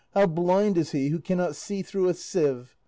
how blind is he who cannot see through a sieve.